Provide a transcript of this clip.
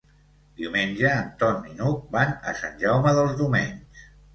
Diumenge en Ton i n'Hug van a Sant Jaume dels Domenys.